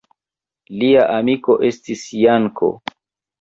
Lia amiko estis Janko.